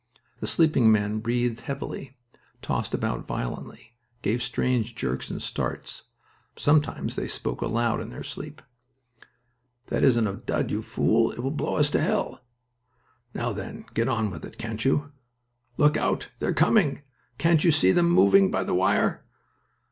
The sleeping men breathed heavily, tossed about violently, gave strange jerks and starts. Sometimes they spoke aloud in their sleep. "That isn't a dud, you fool! It will blow us to hell." "Now then, get on with it, can't you?" "Look out! They're coming! Can't you see them moving by the wire?"